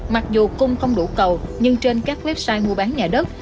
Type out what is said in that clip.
mặc dù cung không đủ cầu nhưng trên các website mua bán nhà đất